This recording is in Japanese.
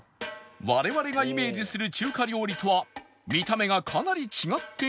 我々がイメージする中華料理とは見た目がかなり違って見えるが